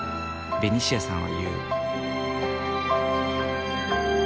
ベニシアさんは言う。